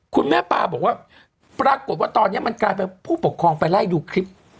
คุณแม่ปลาบอกว่าปรากฏว่าตอนนี้มันกลายเป็นผู้ปกครองไปไล่ดูคลิป